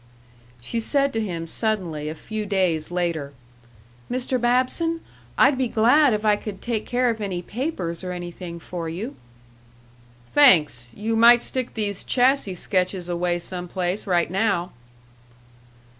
She said to him suddenly, a few days later, "Mr. Babson, I'd be glad if I could take care of any papers or anything for you." "Thanks. You might stick these chassis sketches away some place right now."